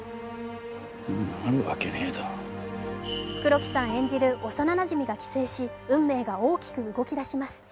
黒木さん演じる幼なじみが帰省し運命が大きく動き出します。